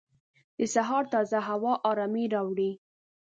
د سهار تازه هوا ارامۍ راوړي.